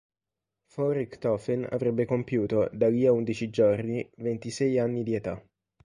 Von Richthofen avrebbe compiuto, da lì a undici giorni, ventisei anni di età.